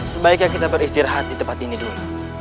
sebaiknya kita beristirahat di tempat ini dulu